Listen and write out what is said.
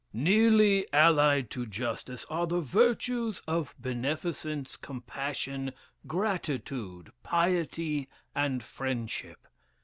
"Nearly allied to justice are the virtues of beneficence, compassion, gratitude, piety, and friendship.